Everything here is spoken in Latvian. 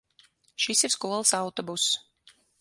Šis ir skolas autobuss.